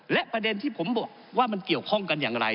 และประเด็นที่ผมบอกว่ามันเกี่ยวข้องกันอย่างไร